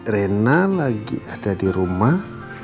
rena lagi ada di rumah